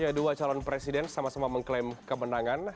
dua calon presiden sama sama mengklaim kemenangan